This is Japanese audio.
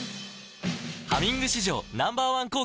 「ハミング」史上Ｎｏ．１抗菌